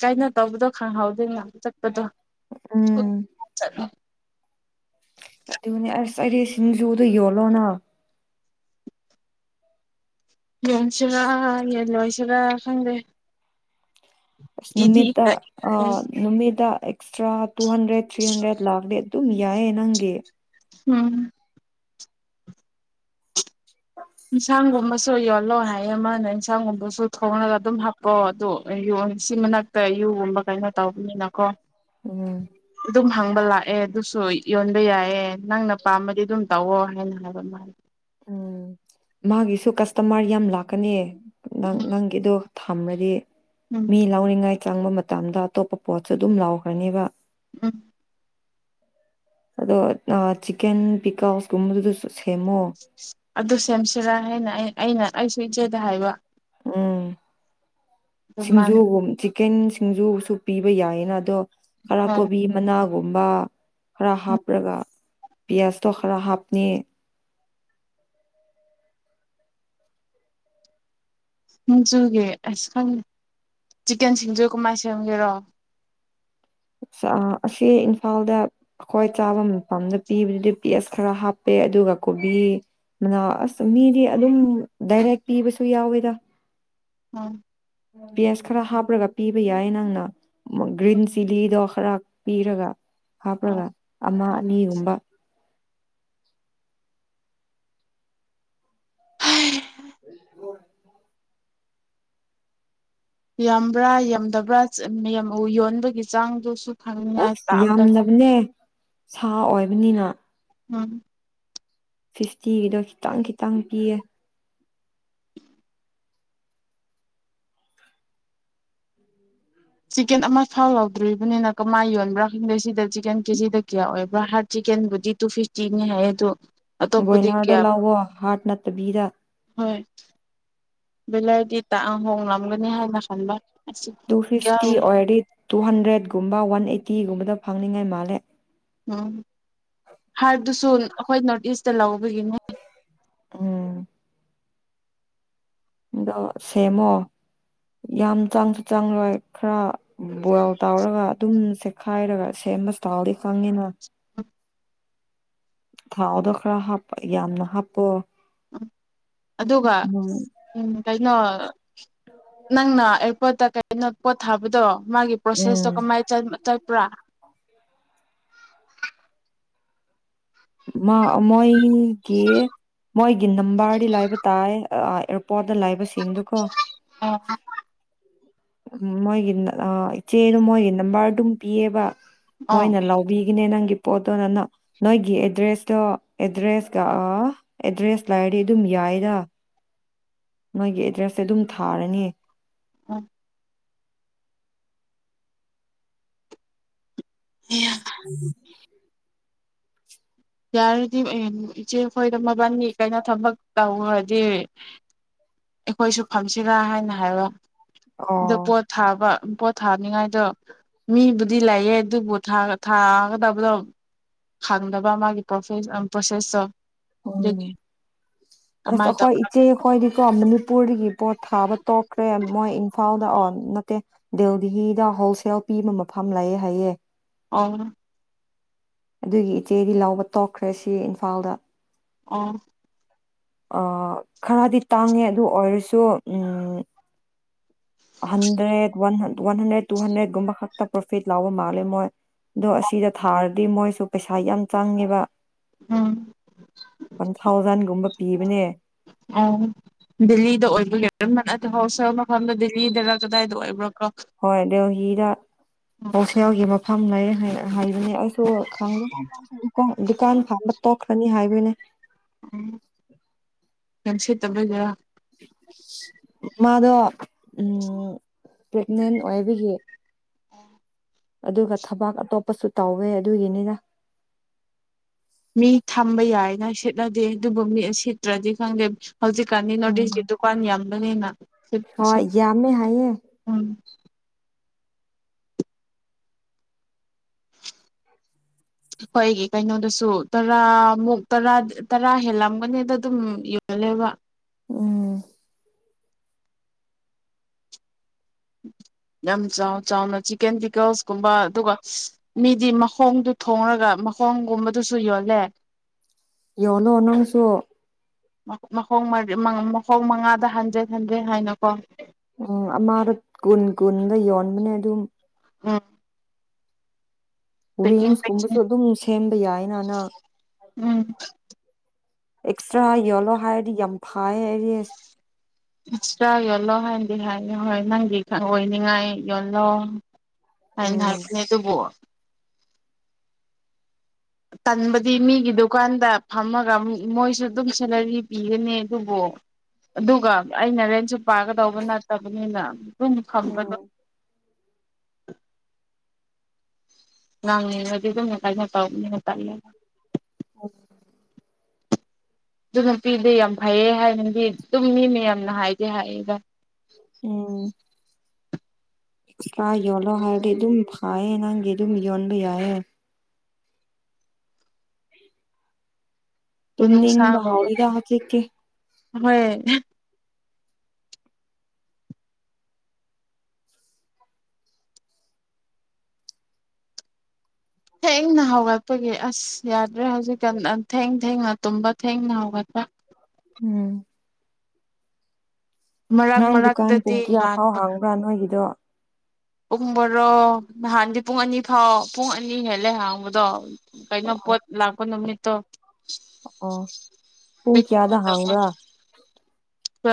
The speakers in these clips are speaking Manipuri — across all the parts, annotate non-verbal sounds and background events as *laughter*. ꯀꯥꯏꯅ ꯇꯧꯕꯗꯣ ꯈꯪꯍꯧꯗꯣꯏ ꯃ ꯆꯠꯄꯗꯣ ꯎꯝ ꯑꯗꯨꯅꯦ ꯑꯁ ꯑꯩꯗꯤ ꯁꯤꯡꯖꯨꯗ ꯌꯣꯜꯂꯣꯅ ꯌꯣꯟꯁꯤꯔ ꯌꯦ ꯂꯣꯏꯁꯤꯔ ꯈꯪꯗꯦ ꯏꯗꯤ ꯅꯨꯃꯤꯗꯥ ꯏꯀꯥꯏ ꯑ ꯅꯨꯃꯤꯗꯥ extra two hundred three hundred ꯂꯥꯛꯗ ꯑꯗꯨꯝ ꯌꯥꯏꯦ ꯅꯪꯒꯤ ꯎꯝ *unintelligible* ꯏꯟꯁꯥꯡꯒꯨꯝꯕꯁꯨ ꯌꯣꯜꯂꯣ ꯍꯥꯏ ꯑꯃꯅ ꯏꯟꯁꯥꯡꯒꯨꯝꯕꯁꯨ ꯊꯣꯡꯉꯒ ꯑꯗꯨꯝ ꯍꯥꯞꯄꯛꯑꯣ ꯑꯗꯨꯣ ꯁꯤ ꯃꯅꯥꯛꯇ ꯨꯒꯨꯝꯕ ꯀꯩꯅꯣ ꯇꯧꯕꯅꯤꯅꯀꯣ ꯎꯝ ꯍꯥꯡꯕ ꯂꯥꯛꯑꯦ ꯑꯗꯨꯁꯨ ꯌꯣꯟꯕ ꯌꯥꯏꯌꯦꯦ ꯅꯪꯅ ꯄꯥꯝꯕꯗꯤ ꯑꯗꯨꯝ ꯇꯧꯋꯣ ꯍꯥꯏꯅ ꯍꯥꯏꯕ ꯃꯥꯂ ꯎꯝ ꯃꯥꯒꯤꯁꯨ ꯀꯁꯇꯃꯔ ꯌꯥꯝ ꯂꯥꯛꯀꯅꯤ ꯅꯪ ꯅꯪꯒꯤꯗꯣ ꯊꯝꯃꯗꯤ ꯎꯝ ꯃꯤ ꯂꯧꯔꯤꯉꯩ ꯆꯪꯕ ꯃꯇꯝꯗ ꯑꯇꯣꯞꯄ ꯄꯣꯠꯁꯨ ꯑꯗꯨꯝ ꯂꯥꯎꯈ꯭ꯔꯅꯦꯕ ꯎꯝ ꯑꯗꯣ ꯆꯟ ꯄꯤꯀꯥꯎꯁꯒꯨꯝꯕꯗꯨ ꯑꯗꯨꯁ ꯑꯗꯨ ꯁꯦꯝꯁꯤꯔꯥ ꯍꯥꯏꯅ ꯑꯩ ꯑꯩꯅ ꯑꯩꯁꯨ ꯏꯆꯦꯗ ꯍꯥꯏꯕ ꯎꯝ ꯑꯗꯨ ꯁꯤꯡꯖꯨ ꯃꯥꯅ ꯀꯦꯟ ꯁꯤꯡꯖꯁꯨ ꯄꯤꯕ ꯌꯥꯏꯌꯦꯅ ꯑꯗꯣ ꯍꯣꯏ ꯀꯔꯀꯣꯕꯤ ꯃꯅꯥ ꯒꯨꯝꯕ ꯈꯔ ꯍꯥꯞꯔꯒ ꯄꯤꯌꯥꯁꯇꯣ ꯈꯔ ꯍꯥꯞꯅꯤ ꯃꯨꯝꯆꯨꯒꯤ ꯑꯁ ꯈꯪꯉꯦ ꯆꯤꯛꯀꯟ ꯁꯤꯡꯖꯨ ꯀꯃꯥꯏꯅ ꯁꯦꯝꯒꯦꯔꯣ ꯑꯁꯤ ꯏꯝꯐꯥꯜꯗ ꯑꯩ꯭ꯋꯥꯏ ꯆꯥꯕ ꯃꯐꯝꯗ ꯄꯤꯕꯗꯨꯗꯤ ꯄꯁ ꯈꯔ ꯍꯥꯞꯄꯦ ꯑꯗꯨꯒ ꯀꯣꯕꯤ ꯃꯅꯥꯁ ꯃꯤꯗꯤ ꯑꯗꯨꯝ ꯗꯥꯏꯔꯦꯛ ꯄꯤꯕꯁꯨ ꯌꯥꯎꯋꯦꯗ ꯎꯝ ꯄꯤꯌꯥꯁ ꯈꯔ ꯍꯥꯞꯄꯒ ꯄꯤꯕ ꯌꯥꯏ ꯅꯪꯅ ꯒ꯭ꯔꯤꯟ ꯆꯤꯂꯤꯗꯣ ꯈꯔ ꯄꯤꯔꯒ ꯍꯥꯞꯂꯒ ꯑꯃ ꯑꯅꯤꯒꯨꯝꯕ *unintelligible* ꯌꯥꯝꯕ꯭ꯔꯥ ꯌꯥꯝꯗꯕ꯭ꯔꯥ ꯌꯣꯟꯕꯒꯤ ꯆꯥꯡꯗꯨꯁꯨ ꯈꯪꯅꯤꯡꯉꯥꯏ ꯑꯁ ꯑꯝꯇ ꯌꯥꯝꯂꯕꯅꯦ ꯁꯥ ꯑꯣꯏꯕꯅꯤꯅ ꯎꯝ ꯐꯤꯐꯇꯤꯒꯤꯗꯣ ꯈꯤꯇꯪ ꯈꯤꯇꯪ ꯄꯤꯌꯦ ꯆꯤꯛꯀꯦꯟ ꯑꯃ ꯐꯥꯎ ꯂꯧꯎꯗꯣꯔꯤꯕꯅꯤꯅ ꯀꯃꯥꯏ ꯌꯣꯟꯕ꯭ꯔꯥ ꯈꯪꯗꯦ ꯁꯤꯗ ꯆꯤꯛꯀꯟ ꯀꯦꯖꯤꯗ ꯀꯌꯥ ꯑꯣꯏꯕ꯭ꯔꯥ ꯍꯥꯔꯠ ꯆꯤꯛꯀꯦꯟꯕꯨꯗꯤ ꯇꯨ ꯐꯤꯐꯇꯤꯅꯤ ꯍꯥꯏ ꯑꯗꯨꯗꯣ ꯕꯣꯏꯂꯥꯔꯗꯣ ꯂꯥꯛꯑꯣ ꯍꯥꯔꯠ ꯅꯠꯇꯕꯤꯗ ꯚꯕꯤꯂꯔꯗꯤ ꯇꯥꯛ ꯍꯣꯡꯂꯒꯅꯤ ꯍꯥꯏꯅ ꯈꯟꯕ ꯑꯁꯤ ꯇꯨ ꯐꯤꯐꯇꯤ ꯑꯣꯏꯔꯗꯤ ꯇꯨ ꯍꯟꯗ꯭ꯔꯦꯠꯒꯨꯝꯕ ꯋꯥꯟ ꯑꯩꯠꯇꯤꯒꯨꯝꯕꯗ ꯐꯪꯅꯤꯡꯉꯥꯏ ꯃꯥꯜꯂꯦ ꯎꯝ ꯍꯥꯏꯕꯗꯨꯁꯨ ꯑꯩꯈꯣꯏ ꯅꯣꯔꯠ ꯏꯁꯇ ꯂꯧꯕꯒꯤꯅꯤ ꯎꯝ ꯑꯗꯣ ꯁꯦꯝꯃꯣ ꯌꯥꯝ ꯆꯥꯡꯁꯨ ꯆꯪꯂꯣꯏ ꯈꯔ ꯕꯣꯏꯜ ꯇꯧꯔꯒ ꯑꯗꯨꯝ ꯈꯥꯏꯔꯒ ꯁꯦꯝꯕ ꯊꯥꯎꯗꯤ ꯈꯪꯉꯤꯅ ꯊꯥꯎꯗꯣ ꯈꯔ ꯍꯥꯞꯄ ꯌꯥꯝꯅ ꯍꯥꯞꯄꯣ ꯑꯗꯨꯒ ꯎꯝ ꯎꯝ ꯀꯩꯅꯣ ꯅꯪꯅ ꯑꯦꯌꯥꯔꯄꯣꯔꯠꯇ ꯀꯩꯅ ꯄꯣꯠ ꯊꯥꯕꯗꯣ ꯃꯥꯒꯤ ꯎꯝ ꯄꯔꯣꯁꯦꯁꯇꯣ ꯀꯃꯥꯏ ꯆ ꯆ ꯄ꯭ꯔꯥ ꯃꯥ ꯃꯣꯏ ꯒꯤ ꯃꯣꯏꯒꯤ ꯅꯝꯕꯔꯗꯤ ꯂꯥꯏꯕ ꯇꯥꯏ ꯑ ꯑꯦꯔꯣ ꯄꯣꯠꯇ ꯂꯩꯕꯁꯤꯡꯗꯨꯀꯣ ꯑꯣ ꯎꯝ ꯃꯣꯏꯒꯤ ꯆꯦꯗꯨ ꯃꯣꯏꯒꯤ ꯅꯝꯕꯔꯗꯨꯝ ꯄꯤꯌꯦꯕ ꯃꯣꯏꯅ ꯂꯧꯕꯤꯒꯤꯅꯦ ꯅꯪꯒꯤ ꯄꯣꯠꯇꯣ ꯅꯪꯅ ꯅꯣꯏꯒꯤ ꯑꯦꯗ꯭ꯔꯦꯁꯇꯣ ꯑꯦꯗ꯭ꯔꯦꯁꯀꯥ ꯑꯦꯗ꯭ꯔꯦꯁ ꯂꯩꯔꯗꯤ ꯑꯗꯨꯝ ꯌꯥꯏꯗ ꯅꯣꯏꯒꯤ ꯑꯦꯗ꯭ꯔꯦꯁꯁꯦ ꯑꯗꯨꯝ ꯊꯥꯔꯅꯤ ꯎꯝ ꯎꯝ ꯌꯥꯔꯗꯤ ꯏꯆꯦ ꯑꯩꯈꯣꯏꯗ ꯃꯕꯥꯅꯤ ꯀꯩꯅꯣ ꯊꯕꯛ ꯇꯧꯔꯗꯤ ꯑꯩꯈꯣꯏꯁꯨ ꯐꯝꯁꯤꯔꯥ ꯍꯥꯏꯅ ꯍꯥꯏꯕ ꯑꯗ ꯑꯣ ꯄꯣꯠꯊꯥꯕ ꯄꯣꯠ ꯊꯥꯅꯤꯡꯉꯥꯏꯗꯣ ꯃꯤꯕꯨꯗꯤ ꯂꯩꯌꯦ ꯑꯗꯨꯕꯨ ꯊꯥꯒꯗꯕꯗꯣ ꯈꯪꯗꯕ ꯃꯥꯒꯤ ꯄ꯭ꯔꯣꯁꯦꯁ ꯄ꯭ꯔꯣꯁꯦꯁꯇꯣ ꯑꯗꯨꯒꯤ ꯑꯣ ꯀꯃꯥꯏꯅ ꯑꯈꯣꯏ ꯇꯧꯕ꯭ꯔꯥ ꯏꯆꯦꯈꯣꯏꯗꯤꯀꯣ ꯄꯨꯔꯒꯤ ꯄꯣꯠ ꯊꯥꯕ ꯇꯣꯛꯈ꯭ꯔꯦ ꯃꯣꯏ ꯏꯝꯐꯥꯜꯗ ꯑꯣ ꯅꯠꯇꯦ ꯗꯦꯜꯗꯤꯍꯤꯗ ꯍꯣꯜꯁꯦꯜ ꯄꯤꯕ ꯃꯐꯝ ꯂꯩꯌꯦ ꯍꯥꯏꯌꯦ ꯑꯣ ꯑꯗꯨꯒꯤ ꯏꯆꯦꯗꯤ ꯂꯧꯕ ꯇꯣꯛꯈ꯭ꯔꯦ ꯁꯤ ꯏꯝꯐꯥꯜꯗ ꯑ ꯑ ꯈꯔꯗꯤ ꯇꯥꯡꯉꯦ ꯑꯗꯨ ꯑꯣꯏꯔꯁꯨ ꯎꯝ hundred one one hundred two ꯍꯟꯗ꯭ꯔꯦꯠꯒꯨꯝꯕ ꯄ꯭ꯔꯣꯐꯤꯠ ꯂꯧꯕ ꯃꯥꯜꯂꯦ ꯃꯣꯏ ꯑꯗꯣ ꯑꯁꯤꯗ ꯊꯥꯔ ꯗꯤ ꯃꯣꯏꯁꯨ ꯄꯩꯁꯥ ꯌꯥꯝ ꯆꯪꯉꯦꯕ ꯎꯝ ꯋꯥꯟ ꯊꯥꯎꯖꯟꯒꯨꯝꯕ ꯄꯤꯕꯅꯦ ꯑꯣ ꯗꯦꯜꯂꯤꯗ ꯑꯣꯏꯕꯒꯤꯔ ꯅꯠꯇꯔ ꯍꯣꯜꯁꯦꯜ ꯃꯐꯝꯗ ꯗꯦꯜꯂꯤꯗꯔ ꯀꯗꯥꯏꯗ ꯑꯣꯏꯕ꯭ꯔꯣꯀꯣ ꯍꯣꯏ ꯗꯦꯜꯍꯤꯗ ꯍꯣꯜꯁꯦꯜꯒꯤ ꯃ ꯐꯝ ꯂꯩꯌꯦ ꯍꯥꯏꯕꯅꯤ ꯑꯩ ꯑꯗꯣ ꯈꯪꯗꯦ ꯗꯨꯀꯥꯟ ꯐꯝꯕ ꯇꯣꯛꯈ꯭ꯔꯅꯤ ꯍꯥꯏꯕꯅꯦ ꯎꯝ ꯀꯟꯁꯤꯦ ꯇꯕꯗꯔ ꯃꯥꯗꯣ ꯄ꯭ꯔꯦꯒꯅꯦꯟ ꯑꯣꯏꯕꯤꯈꯤ ꯑꯗꯨꯒ ꯊꯕꯛ ꯑꯇꯣꯞꯄꯁꯨ ꯇꯧꯋꯦ ꯑꯗꯨꯒꯤꯅꯤꯗ ꯃꯤ ꯊꯝꯕ ꯌꯥꯏꯅ ꯁꯤꯦꯠꯅꯗꯦ ꯑꯗꯨꯕꯨ ꯃꯤ ꯁꯤꯠꯇ꯭ꯔꯗꯤ ꯈꯪꯗꯦ ꯍꯧꯖꯤꯛꯀꯥꯟꯅꯤ ꯅꯣꯗꯤꯒꯤ ꯎꯝ ꯗꯨꯀꯥꯟ ꯌꯥꯝ ꯃꯅꯦꯅ ꯍꯣꯏ ꯌꯥꯃꯦ ꯍꯥꯏꯌꯦꯌꯦꯦ ꯎꯝ ꯑꯩꯣꯏꯒꯤ ꯀꯩꯅꯣꯗꯁꯨ ꯇꯔꯥꯃꯨꯛ ꯇꯔꯥ ꯇꯔꯥ ꯍꯦꯜꯂꯝꯒꯅꯤꯗ ꯑꯗꯨꯝ ꯌꯣꯜꯂꯦꯕ ꯎꯝ ꯌꯥꯝ ꯆꯥꯎ ꯆꯥꯎꯅ ꯆꯤꯛꯀꯟ ꯇꯤꯀꯜꯁꯀꯨꯝꯕ ꯑꯗꯨꯒ ꯃꯤꯗꯤ ꯃꯈꯣꯡꯗꯨ ꯊꯣꯡꯡꯂꯒ ꯃꯈꯣꯡꯒꯨꯝꯕꯗꯨꯁꯨ ꯌꯣꯜꯂꯦ ꯌꯧꯂꯣꯅꯣꯅꯁꯨꯣ ꯃꯈ ꯃꯈꯣꯡ ꯃꯉꯥꯗ ꯍꯟꯖꯦ ꯍꯟꯖꯦ ꯍꯥꯏꯅꯀꯣ ꯎꯝ ꯑꯃꯥꯔꯣ ꯀꯨꯟ ꯀꯨꯟꯒ ꯌꯣꯟꯕꯅꯦ ꯑꯗꯨꯝ ꯑ ꯋꯤꯡꯁꯀꯨꯝꯕꯁꯨ ꯄꯦꯛꯀꯤꯡ ꯑꯗꯨꯝ ꯁꯦꯝꯕ ꯌꯥꯏꯅꯅ ꯎꯝ ꯑꯦꯛꯁꯇ꯭ꯔꯥ ꯌꯦꯣꯂꯣ ꯍꯥꯏꯔꯗꯤ ꯌꯥꯝ ꯐꯩ ꯍꯥꯏꯗꯤ ꯑꯁꯇ꯭ꯔꯥ ꯌꯣꯜꯂꯣ ꯍꯥꯏꯅꯗꯤ ꯍꯥꯏꯌ ꯍꯣꯏ ꯅꯪꯒꯤ ꯈ ꯑꯣꯏꯅꯤꯡꯉꯥꯏ ꯌꯣꯜꯂꯣ ꯍꯥꯏ ꯎꯝ ꯍꯥꯏꯅꯦ ꯑꯗꯨꯕꯨꯣ ꯇꯟꯕꯗꯤ ꯃꯤꯒꯤ ꯗꯨꯀꯥꯟꯗ ꯐꯝꯃꯒ ꯃꯣꯏꯁꯨ ꯑꯗꯨꯝ ꯁꯦꯂꯔꯤ ꯄꯤꯒꯅꯤ ꯑꯗꯨꯕꯨ ꯑꯗꯨꯒ ꯑꯩꯅ ꯔꯦꯟꯁꯨ ꯄꯥꯒꯗꯧꯕ ꯅꯠꯇꯕꯅꯤꯅ ꯑꯗꯨꯅꯤ ꯈꯪꯝꯕꯗ ꯎꯝ ꯅꯪ ꯑꯗꯨꯗ ꯀꯅ ꯇꯧꯕꯅꯤꯅ ꯇꯥꯏꯅ ꯑꯗꯨ ꯅꯨꯄꯤꯗꯤ ꯌꯥꯝ ꯐꯩꯌꯦ ꯍꯥꯏꯅꯗꯤ ꯑꯗꯨꯝꯅꯤ ꯃꯌꯥꯝꯅ ꯍꯥꯏꯗꯤꯦ ꯍꯥꯏꯌꯦꯒ ꯈꯥ ꯌꯣꯜꯂꯣ ꯍꯥꯏꯔꯗꯤ ꯑꯗꯨꯝ ꯐꯥꯏꯌꯦ ꯅꯪꯒꯤ ꯑꯗꯨꯝ ꯌꯣꯟꯕ ꯌꯥꯏꯌꯦ ꯇꯝꯅꯤ ꯃꯅꯨꯡꯁꯥꯒꯨꯝꯕ ꯃꯍꯍꯗ ꯍꯥ ꯂꯤꯇꯦ ꯍꯣꯏ ꯊꯦꯡꯅ ꯍꯧꯒꯠꯄꯒꯤ ꯑꯁ ꯌꯥꯗ꯭ꯔꯦ ꯍꯧꯖꯤꯛꯀꯥꯟ ꯊꯦꯡ ꯊꯦꯡꯅ ꯇꯨꯝꯕ ꯊꯦꯡꯅ ꯍꯧꯒꯠꯄ ꯎꯝ ꯃꯔꯛ ꯅꯍꯪ ꯗꯨꯀꯥꯟ ꯄꯨꯡ ꯃꯔꯛꯇꯗꯤ ꯉꯥꯟ ꯀꯌꯥꯐꯥꯎ ꯍꯥꯡꯕ꯭ꯔꯥ ꯅꯣꯏꯒꯤꯗꯣ ꯄꯨꯡ ꯣꯔꯣ ꯅꯍꯥꯟꯗꯤ ꯄꯨꯡ ꯑꯅꯤ ꯐꯥꯎ ꯄꯨꯡ ꯑꯅꯤ ꯍꯦꯜꯂꯦ ꯍꯥꯡꯕꯗꯣ ꯀꯩꯅꯣ ꯑꯣ ꯄꯣꯠ ꯂꯥꯛꯄ ꯅꯨꯝꯅꯤ ꯇꯣ ꯑꯣ ꯄꯨꯡ ꯀꯌꯥꯗ ꯍꯥꯡꯕ꯭ꯔꯥ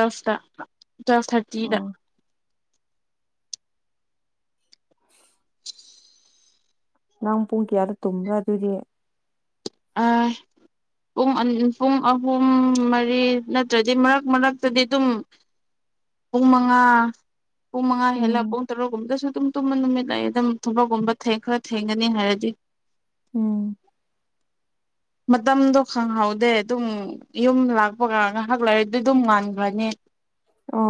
ꯁꯇ ꯇꯨꯋꯦꯜꯐ ꯊꯥꯔꯇꯤꯗ ꯑꯣ ꯅꯪ ꯄꯨꯡ ꯀꯌꯥꯗ ꯇꯨꯝꯕ꯭ꯔꯥ ꯑꯗꯨꯏꯗꯤ ꯄꯨꯡ ꯄꯨꯡ ꯑꯍꯨꯝ ꯃꯔꯤ ꯅꯠꯇ꯭ꯔꯗꯤ ꯃꯔꯛ ꯃꯔꯛꯇꯗꯤ ꯑꯗꯨꯝ ꯄꯨꯡ ꯃꯉꯥ ꯄꯨꯡ ꯃꯉꯥ ꯍꯂ ꯎꯝ ꯄꯨꯡ ꯇꯔꯣꯛꯒꯨꯝꯗꯁꯨꯅ ꯇꯨꯝ ꯇꯨꯝꯕ ꯅꯨꯃꯤꯠ ꯂꯩ ꯑꯗꯨꯝ ꯊꯕꯛꯀꯨꯝꯕ ꯈꯔ ꯊꯦꯡꯒꯅꯤ ꯍꯥꯏꯔꯗꯤ ꯎꯝ ꯃꯇꯝꯗꯣ ꯈꯪꯍꯧꯗꯦ ꯑꯗꯨꯝ ꯌꯨꯝ ꯂꯥꯛꯄꯒ ꯉꯥꯏꯍꯥꯛ ꯂꯩꯔꯗꯤ ꯑꯗꯨꯝ ꯉꯥꯟꯈ꯭ꯔꯅꯤ ꯑ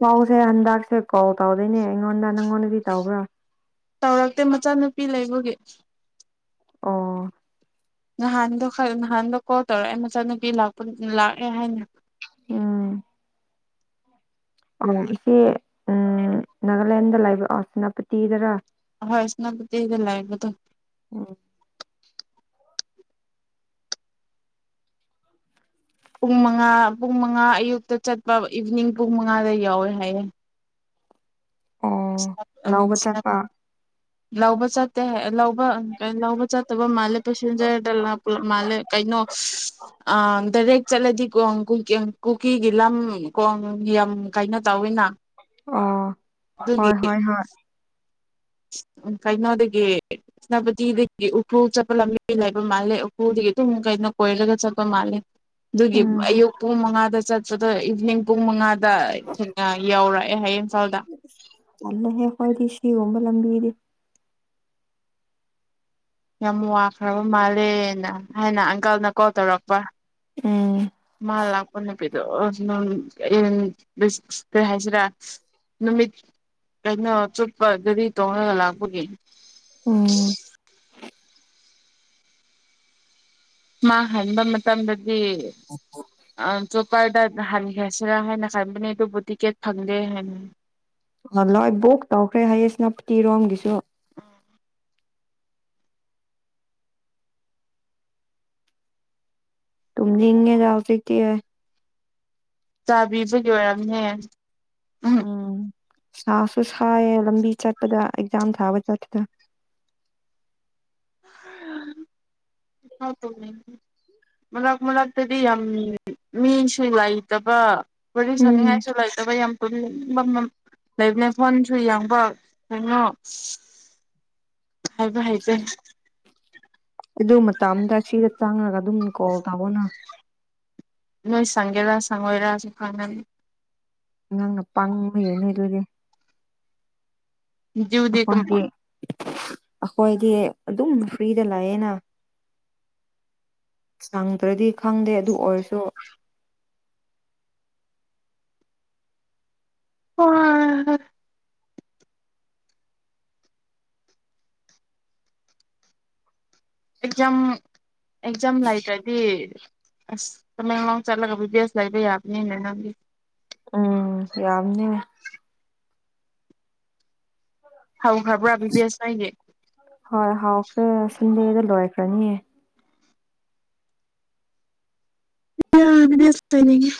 ꯀꯥꯎꯁꯦ ꯍꯟꯗꯛꯁꯦ ꯀꯥꯎ ꯇꯥꯎꯗꯣꯏꯅꯦ ꯑꯩꯉꯣꯟꯗ ꯅꯪꯉꯣꯟꯗꯗꯤ ꯇꯕ꯭ꯔꯥ ꯇꯧꯔꯛꯇꯦ ꯃꯆꯥꯅꯨꯄꯤ ꯂꯩꯕꯒꯤ ꯑ ꯅꯍꯥꯟꯗꯣ ꯅꯍꯥꯟꯗꯣ ꯀꯣꯜ ꯇꯧꯔꯛꯑꯦ ꯃꯆꯥꯅꯨꯄꯤꯄ ꯂꯥꯛꯑꯦ ꯍꯥꯏꯅ ꯎꯝ ꯑꯣ ꯏꯆꯦ ꯎꯝ ꯅꯥꯒꯥꯂꯦꯟꯗ ꯂꯥꯏꯕꯑꯣ ꯁꯦꯅꯥꯄꯇꯤꯗꯔꯥ ꯍꯣꯏ ꯏꯁꯅꯕꯨꯗꯤꯗ ꯂꯑꯕꯗꯨ ꯎꯝ ꯄꯨꯡ ꯃꯉꯥ ꯄꯨꯡ ꯃꯉꯥ ꯑꯌꯨꯛꯇ ꯆꯠꯄ ꯏꯚꯤꯅꯤꯡ ꯄꯨꯡ ꯃꯉꯥꯗ ꯌꯥꯎꯋꯦ ꯍꯥꯏꯌꯦꯦ ꯑꯣ ꯑ ꯂꯧꯕ ꯁꯝ ꯆꯠꯄ ꯂꯧꯕ ꯆꯠꯇꯦ ꯂꯧꯕ ꯂꯧꯕ ꯆꯠꯇꯕ ꯃꯥꯜꯂꯦ ꯄꯦꯁꯦꯟꯖꯔꯗ ꯄꯨꯞ ꯃꯥꯜꯂꯦ ꯀꯩꯅꯣ ꯗꯥꯏꯔꯦꯛ ꯆꯠꯂꯗꯤ ꯀꯣꯡ ꯀꯨꯀꯤꯒꯤ ꯂꯝ ꯀꯣꯡ ꯌꯥꯝ ꯀꯩꯅꯣ ꯇꯧꯋꯤꯅ ꯑꯥ ꯍꯣꯏ ꯍꯣꯏ ꯍꯣꯏ ꯎ ꯀꯩꯅꯣꯗꯒꯤ ꯁꯦꯅꯥꯄꯇꯤꯗꯒꯤ ꯎꯈ꯭ꯔꯨꯜ ꯆꯠꯄ ꯂꯝꯕꯤ ꯂꯩꯕ ꯃꯥꯜꯂꯦ ꯎꯈ꯭ꯔꯨꯗꯒꯤ ꯑꯗꯨꯝ ꯀꯩꯅꯣ ꯀꯣꯏꯔꯒ ꯆꯠꯄ ꯃꯥꯜꯂꯦ ꯑꯗꯨꯒꯤ ꯎꯝ ꯑꯌꯨꯛ ꯄꯨꯡ ꯃꯉꯥꯗ ꯆꯠ ꯏꯚ ꯄ ꯗ ꯊ ꯌꯥꯎꯔꯦ ꯑꯦꯍꯌꯦ ꯑꯍꯦ ꯍꯣꯏꯗꯤꯁ ꯁꯤꯤꯒꯨꯝꯕ ꯂꯝꯕꯤꯗꯤ ꯌꯥꯝ ꯋꯥꯈ꯭ꯔꯕ ꯃꯥꯜꯂꯦꯅ ꯍꯥꯏꯅ ꯑꯪꯀꯜꯅ ꯀꯣꯜ ꯇꯧꯔꯛꯄ ꯎꯝ ꯃꯥꯄꯅꯦ ꯄ ꯀꯩ ꯍꯥꯏꯁꯤꯔꯥ ꯅꯨꯃꯤꯠ ꯀꯩꯅꯣ ꯆꯨꯞꯄꯗꯗꯤ ꯇꯣꯡꯉꯒ ꯂꯥꯛꯄꯒꯤ ꯎꯝ ꯃꯥ ꯍꯟꯕ ꯃꯇꯝꯗ ꯑ ꯆ ꯔꯗ ꯍꯜ ꯍꯦꯁ ꯍꯥꯏ ꯅ ꯀꯥꯏꯕꯅꯦꯗꯨ ꯕꯨꯇꯤꯀꯦꯠ ꯐꯪꯒꯗꯦ ꯍꯥꯏ ꯂꯣꯏ ꯕꯨꯛ ꯇꯧꯈ꯭ꯔꯦ ꯍꯌꯦꯁ ꯅꯇꯤꯔꯣꯝꯒꯤꯁꯨ ꯇꯨ ꯂꯤꯡꯒꯦ ꯌꯥꯁꯤ ꯀ ꯍꯥꯏ ꯆꯥꯕꯤꯕꯒꯤ ꯑꯣꯏꯔꯝꯅꯦ ꯎꯝ ꯁꯥꯁꯨ ꯀꯌꯦ ꯂꯝꯕꯤ ꯆꯠꯄꯗ ꯆꯝ ꯊꯥꯕ ꯆꯠꯠꯇꯠꯇ ꯎ ꯃꯛ ꯃꯅꯥꯛꯇꯗꯤ ꯌꯥꯝ ꯃꯤꯁꯨ ꯂꯩꯏꯇꯕ ꯋꯥꯔꯤ ꯎꯝ ꯁꯅꯤꯡꯉꯥꯏꯁꯨ ꯂꯩꯥꯏꯇꯕ ꯌꯥꯝ ꯃꯝ ꯂꯩꯕꯅꯦ ꯐꯣꯟꯁꯨ ꯌꯦꯡꯕ ꯀꯩꯅꯣ ꯍꯥꯏꯕ ꯍꯥꯏꯆꯦ ꯑꯗꯨ ꯃꯇꯝ ꯑꯗ ꯁꯤꯗ ꯆꯥꯡꯉꯒ ꯑꯗꯨꯝ ꯀꯣꯜ ꯇꯥꯕꯅ ꯅꯣꯏ ꯁꯪꯒꯦꯔꯥ ꯁꯪꯉꯣꯏꯔꯥꯁꯨ ꯈꯪꯒꯅꯤ ꯑꯉꯥꯡꯅ ꯄꯥꯡꯕ ꯍ ꯂꯩ ꯂꯣꯏꯔꯦ ꯌꯎꯗ ꯀ ꯑꯩꯈꯣꯏꯗꯤ ꯑꯩꯈꯣꯏꯗꯤ ꯑꯗꯨꯝ ꯐ꯭ꯔꯤꯗ ꯂꯥꯛꯑꯦꯅ ꯁꯪꯗ꯭ꯔꯗꯤ ꯈꯪꯗꯦ ꯑꯗꯨ ꯑꯣꯏꯔꯁꯨ ꯑꯣ ꯑꯦꯛꯖꯥꯝ ꯑꯦꯛꯖꯥꯝ ꯂꯩꯇ꯭ꯔꯗꯤ ꯑꯁ ꯇꯃꯦꯡꯂꯣꯡ ꯆꯠꯂꯒ ꯕꯤ ꯕꯦꯖ ꯂꯩꯕ ꯌꯥꯕꯅꯤ ꯃ ꯅꯪꯒꯤ ꯎꯝ ꯌꯥꯝꯅꯤꯅꯦ ꯍꯧꯈ꯭ꯔꯕ꯭ꯔꯥ ꯕꯤ ꯕꯤ ꯑꯦꯁ ꯅꯣꯏꯒꯤ ꯍꯔ ꯍꯥꯎꯥꯎ ꯐꯔ ꯁꯤꯟꯗꯗ ꯂꯣꯏ ꯈ꯭ꯔꯅꯤꯌꯦ ꯗꯤꯁꯇꯅꯤꯒꯤ